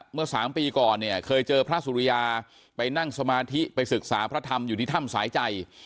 เมื่อ๓ปีก่อนเนี่ยเคยเจอพระสุริยาไปนั่งสมาธิไปศึกษาพระธรรมอยู่ที่ถ้ำสายใจ